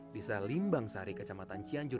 bisa limbang sehari kecamatan cianjur